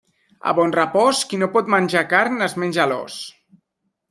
A Bonrepòs, qui no pot menjar carn es menja l'os.